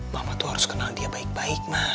mama tuh harus kenal dia baik baik